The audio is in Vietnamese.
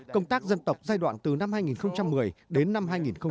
công tác dân tộc giai đoạn từ năm hai nghìn một mươi đến năm hai nghìn hai mươi